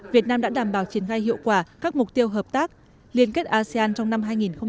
việt nam đã đảm bảo triển gai hiệu quả các mục tiêu hợp tác liên kết asean trong năm hai nghìn hai mươi